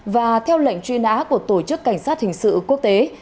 và theo lệnh truy nã của tổ chức cảnh sát hình sự quốc tế